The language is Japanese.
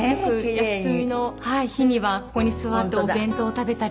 休みの日にはここに座ってお弁当を食べたりとか。